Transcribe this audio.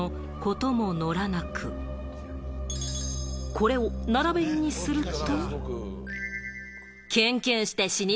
これを奈良弁にすると。